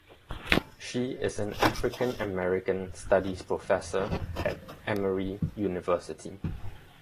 She is an African American Studies professor at Emory University.